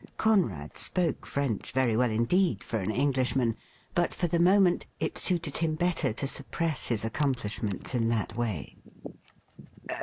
Conrad spoke French very well indeed fqr an English man, but for the moment it suited him better to suppress his accomplishments in that way.